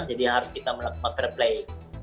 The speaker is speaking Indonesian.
jadi harus kita melakukan selebasi